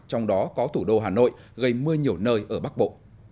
trong đó có thủ đô hà nội gây mưa nhiều nơi ở bắc bộ